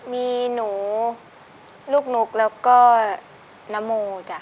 มีหนูลูกหนูแล้วก็น้ำโม